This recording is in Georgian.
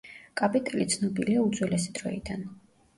კაპიტელი ცნობილია უძველესი დროიდან.